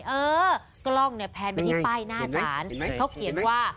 เออกล้องแพลนไปที่ป้ายหน้าสารเขาเขียนว่า